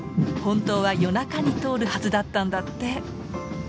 本当は夜中に通るはずだったんだって。